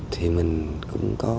thì mình cũng có